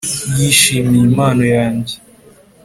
yishimiye impano yanjye